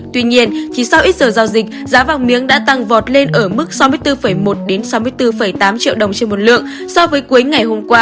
tuy nhiên chỉ sau ít giờ giao dịch giá vàng miếng đã tăng vọt lên ở mức sáu mươi bốn một sáu mươi bốn tám triệu đồng trên một lượng so với cuối ngày hôm qua